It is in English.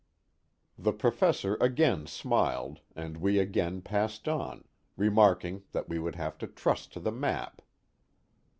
The Professor again smiled and we again passed on, re marking that we would have to trust to the map.